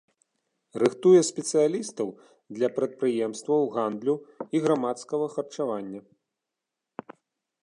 Рыхтуе спецыялістаў для прадпрыемстваў гандлю і грамадскага харчавання.